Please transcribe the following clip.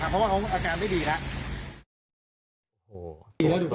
เพราะว่าเขาอาการไม่ดีแล้ว